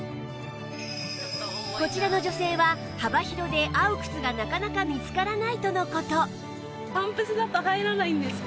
こちらの女性は幅広で合う靴がなかなか見つからないとの事